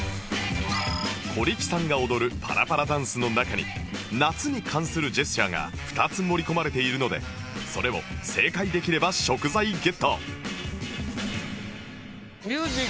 小力さんが踊るパラパラダンスの中に夏に関するジェスチャーが２つ盛り込まれているのでそれを正解できれば食材ゲット